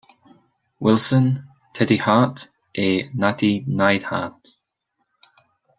Wilson, Teddy Hart et Nattie Neidhart.